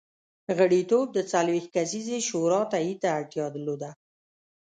غړیتوب د څلوېښت کسیزې شورا تایید ته اړتیا درلوده